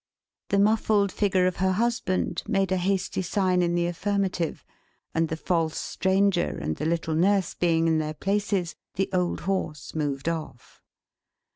The muffled figure of her husband made a hasty sign in the affirmative; and the false Stranger and the little nurse being in their places, the old horse moved off.